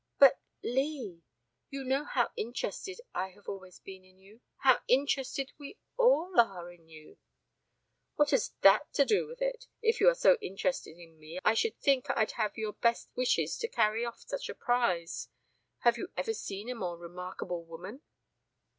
"But Lee You know how interested I have always been in you how interested we all are in you " "What has that to do with it? If you are so interested in me I should think I'd have your best wishes to carry off such a prize. Have you ever seen a more remarkable woman?"